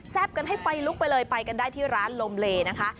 กันให้ไฟลุกไปเลยไปกันได้ที่ร้านลมเลนะคะ